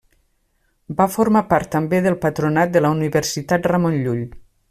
Va formar part també del patronat de la Universitat Ramon Llull.